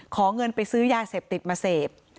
ขอเงินไปซื้อยาเสพติดมาเสพ